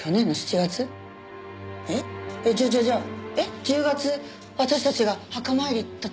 えっ？じゃあじゃあじゃあ１０月私たちが墓参り行った時。